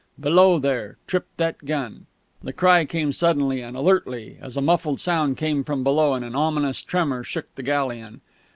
Below there trip that gun!" The cry came suddenly and alertly, as a muffled sound came from below and an ominous tremor shook the galleon.